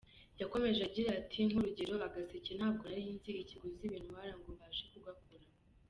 Yakomeje agira ati “Nk’urugero Agaseke ntabwo nari nzi ikiguzi bintwara ngo mbashe kugakora.